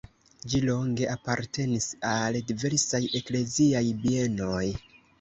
Ĝi longe apartenis al diversaj ekleziaj bienoj.